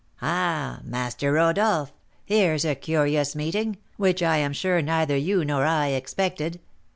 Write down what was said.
"Ah, Master Rodolph, here's a curious meeting, which I am sure neither you nor I expected."